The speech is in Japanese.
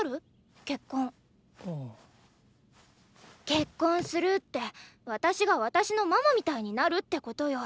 結婚するって私が私のママみたいになるってことよ！